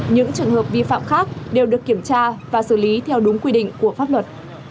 những trường hợp vi phạm khác đều được kiểm tra và xử lý theo đúng quy định của pháp luật